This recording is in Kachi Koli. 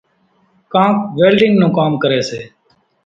ڪانڪ ويلڍينڳ نون ڪام ڪريَ سي۔